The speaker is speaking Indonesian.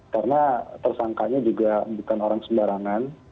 karena tersangkanya juga bukan orang sembarangan